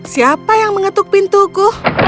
siapa yang mengetuk pintuku